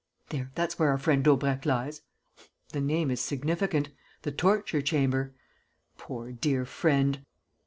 There, that's where our friend Daubrecq lies. The name is significant: the torture chamber.... Poor, dear friend!...